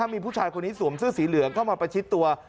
มีผู้ชายคนนี้สวมเสื้อสีเหลืองเข้ามาประชิดตัว